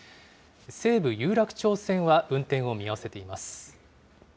西武有楽町線は運転を見合わせています。